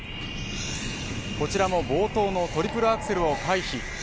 こちらも冒頭のトリプルアクセルを回避